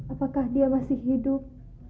apakah dia masih hidup